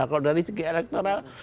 kalau dari segi elektoral